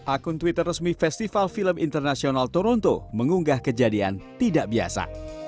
akun twitter resmi festival film internasional toronto mengunggah kejadian tidak biasa